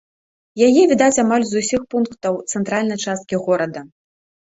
Яе відаць амаль з усіх пунктаў цэнтральнай часткі горада.